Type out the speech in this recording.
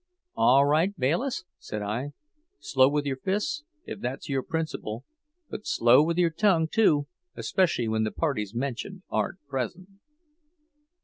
'All right, Bayliss,' said I. 'Slow with your fists, if that's your principle; but slow with your tongue, too, especially when the parties mentioned aren't present.'"